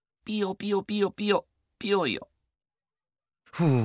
ふう。